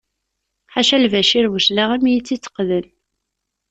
Ḥaca Lbacir Buclaɣem i yi-tt-yetteqden.